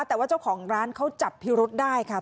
แต่ว่าเจ้าของร้านเขาจับพิรุษได้ค่ะ